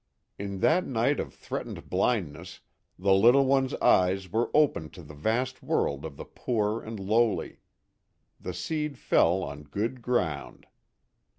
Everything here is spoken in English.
In that night of threatened blindness the little one's eyes were opened to the vast world of the poor and lowly. The seed fell on good ground.